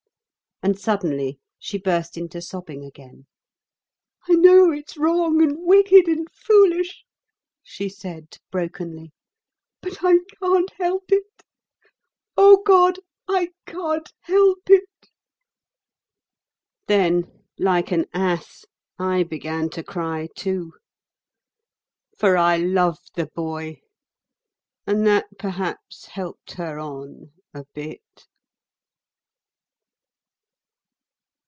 And suddenly she burst into sobbing again. "I know it's wrong and wicked and foolish," she said brokenly. "But I can't help it. Oh, God! I can't help it." Then, like an ass, I began to cry, too; for I loved the boy, and that perhaps helped her on a bit.